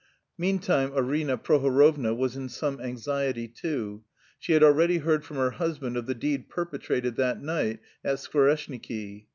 Meantime Arina Prohorovna was in some anxiety too; she had already heard from her husband of the deed perpetrated that night at Skvoreshniki.